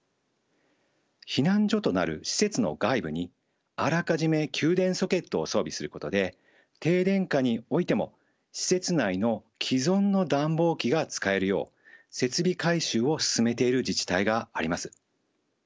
避難所となる施設の外部にあらかじめ給電ソケットを装備することで停電下においても施設内の既存の暖房機が使えるよう設備改修を進めている自治体があります。